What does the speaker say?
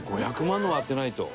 ５００万のは当てないと。